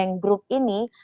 di negara puta